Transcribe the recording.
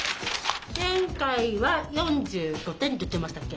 前回は４５点って言ってましたっけ？